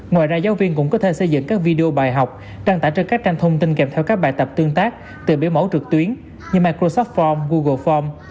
ngoài ra giáo viên cũng có thể xây dựng các video bài học trang tả trên các tranh thông tin kèm theo các bài tập tương tác từ biểu mẫu trực tuyến như microsoft form google form